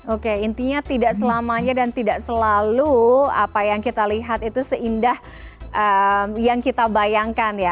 oke intinya tidak selamanya dan tidak selalu apa yang kita lihat itu seindah yang kita bayangkan ya